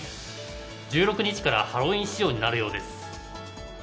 １６日からハロウィーン仕様になるようです。